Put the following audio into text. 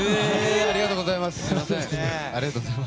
ありがとうございます！